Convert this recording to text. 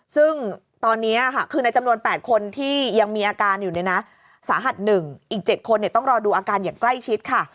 ซึ่งตอนนี้ค่ะคือในจำนวน๘คนที่ยังมีอาการอยู่เนี่ยนะสาหัส๑อีก๗คนต้องรอดูอาการอย่างใกล้ชิดค่ะ